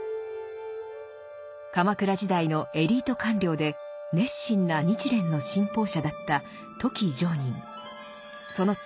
鎌倉時代のエリート官僚で熱心な日蓮の信奉者だったその妻